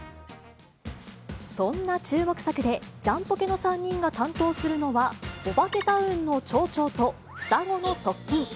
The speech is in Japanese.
そんな注目作で、ジャンポケの３人が担当するのは、オバケタウンの町長と、双子の側近。